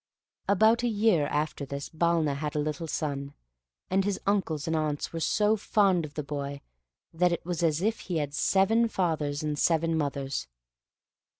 About a year after this Balna had a little son, and his uncles and aunts were so fond of the boy that it was as if he had seven fathers and seven mothers.